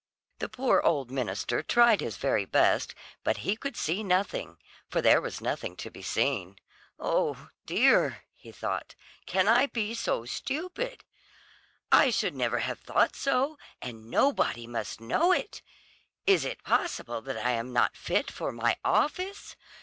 The poor old minister tried his very best, but he could see nothing, for there was nothing to be seen. "Oh dear," he thought, "can I be so stupid? I should never have thought so, and nobody must know it! Is it possible that I am not fit for my office?